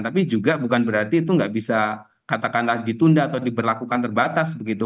tapi juga bukan berarti itu nggak bisa katakanlah ditunda atau diberlakukan terbatas begitu